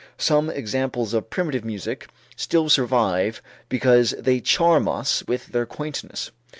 Some examples of primitive music still survive because they charm us with their quaintness.